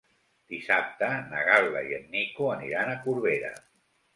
Dissabte na Gal·la i en Nico aniran a Corbera.